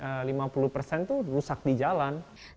senada dengan itu perwakilan fao atau food and agriculture organization